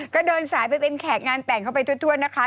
ก็เดินสายไปเป็นแขกงานแต่งเข้าไปทั่วนะคะ